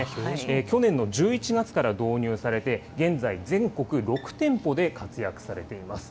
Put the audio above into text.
去年の１１月から導入されて、現在、全国６店舗で活躍されています。